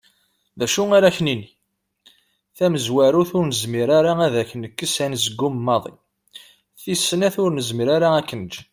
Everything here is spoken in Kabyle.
D acu ara ak-nini? Tamezwarut, ur nezmir ad ak-nekkes anezgum maḍi, tis snat, ur nezmir ad k-neǧǧ.